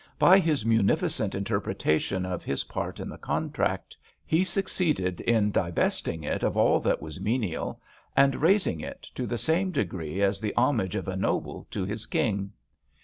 By his munificent interpretation of his part in the contract, he succeeded in divesting it of all that was menial, and raising it, to the same degree as the homage of a noble to his king.